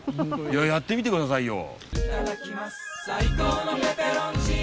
やってみてくださいよ。